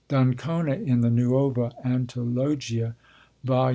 D'Ancona, in the Nuova Antologia (vol.